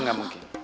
oh gak mungkin